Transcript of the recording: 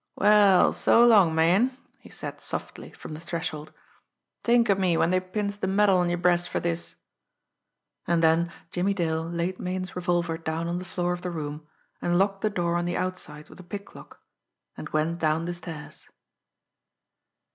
"Well, so long, Meighan!" he said softly, from the threshold. "T'ink of me when dey pins de medal on yer breast fer dis!" And then Jimmie Dale laid Meighan's revolver down on the floor of the room, and locked the door on the outside with a pick lock, and went down the stairs.